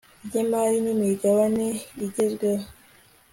ry imari n imigabane igezezweho